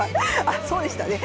あそうでしたね。